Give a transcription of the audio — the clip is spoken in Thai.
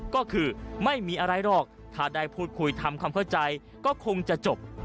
ก็คือไม่มีอะไรหรอกถ้าได้พูดคุยทำความเข้าใจก็คงจะจบ